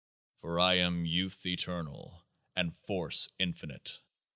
For I am youth eternal and force infinite.